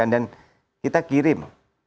dan kita kirim